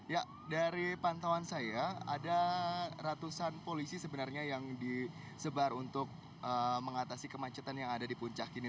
ya dari pantauan saya ada ratusan polisi sebenarnya yang disebar untuk mengatasi kemacetan yang ada di puncak ini